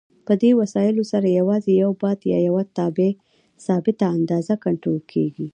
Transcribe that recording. په دې وسایلو سره یوازې یو بعد یا یوه ثابته اندازه کنټرول کېږي.